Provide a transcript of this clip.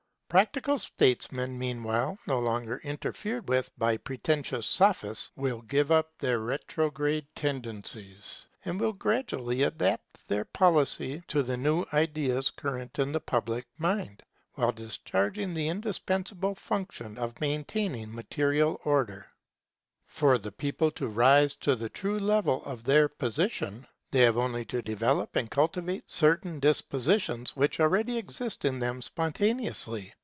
Practical statesmen meanwhile, no longer interfered with by pretentious sophists, will give up their retrograde tendencies, and will gradually adapt their policy to the new ideas current in the public mind, while discharging the indispensable function of maintaining material order. [Ambition of power and wealth must be abandoned] For the people to rise to the true level of their position, they have only to develop and cultivate certain dispositions which already exist in them spontaneously.